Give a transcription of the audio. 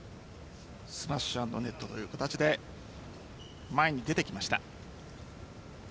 スマッシュ＆ネットという形で前に出てきました。